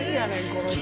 この人。